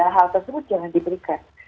hal tersebut jangan diberikan